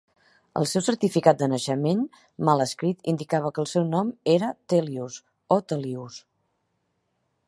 El seu certificat de naixement mal escrit indicava que el seu nom era "Thelious" o "Thelius".